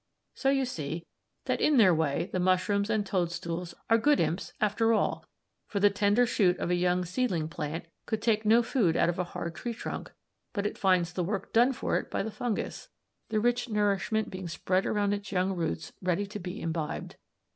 So we see that in their way the mushrooms and toadstools are good imps after all, for the tender shoot of a young seedling plant could take no food out of a hard tree trunk, but it finds the work done for it by the fungus, the rich nourishment being spread around its young roots ready to be imbibed.